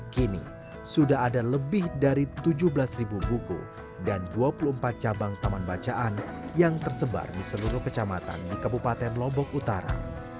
kini sudah ada lebih dari tujuh belas buku dan dua puluh empat cabang taman bacaan yang tersebar di seluruh kecamatan di kabupaten lombok utara